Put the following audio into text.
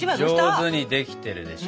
上手にできてるでしょ。